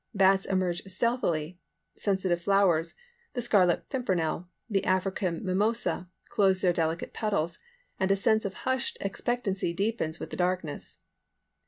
Bats emerge stealthily. Sensitive flowers, the scarlet pimpernel, the African mimosa, close their delicate petals, and a sense of hushed expectancy deepens with the darkness.